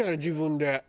自分で。